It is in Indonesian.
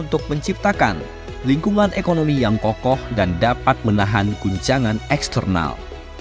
untuk menciptakan lingkungan ekonomi yang kokoh dan dapat menahan guncangan eksternal